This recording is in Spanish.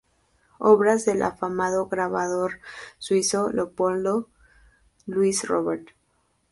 Obras del afamado grabador suizo, Leopold Luis Robert.